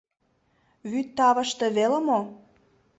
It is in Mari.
Вӱд тавыште веле мо?